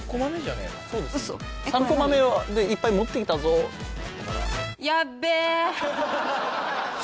３コマ目でいっぱい持ってきたぞだから。